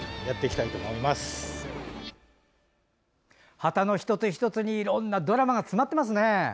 旗の一つ一つにいろんなドラマが詰まってますね。